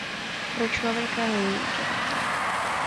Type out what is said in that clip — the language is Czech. Pro člověka není jedovatá.